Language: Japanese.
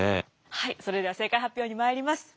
はいそれでは正解発表にまいります。